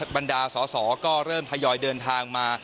บรรดาสอสอก็เริ่มทยอยเดินทางมา